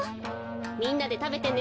みんなでたべてね。